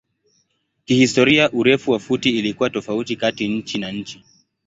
Kihistoria urefu wa futi ilikuwa tofauti kati nchi na nchi.